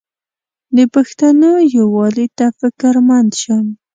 د پښتنو یووالي ته فکرمند شم.